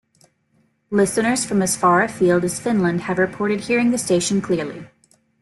Listeners from as far afield as Finland have reported hearing the station clearly.